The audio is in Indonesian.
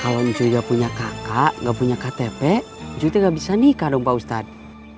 kalau saya tidak punya kakak tidak punya ktp saya tidak bisa menikah dengan pak ustadz